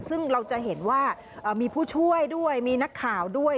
ซึ่งเราจะเห็นว่ามีผู้ช่วยด้วยมีนักข่าวด้วย